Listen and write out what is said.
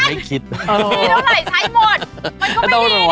มีเท่าไหร่ใช้หมด